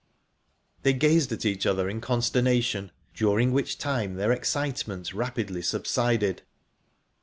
They gazed at each other in consternation, during which time their excitement rapidly subsided.